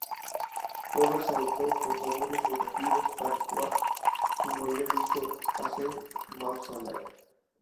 Roberts adoptó cortadores rotativos, tal como había visto hacer en Maudslay.